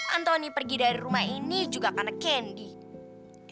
anthony pergi dari rumah ini juga karena candy